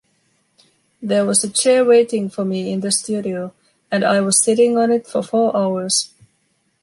There was a chair waiting for me in the studio, and I was sitting on it for four hours.